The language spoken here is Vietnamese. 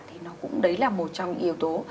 thì nó cũng đấy là một trong yếu tố